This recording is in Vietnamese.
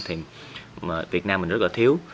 thì việt nam mình rất là thiếu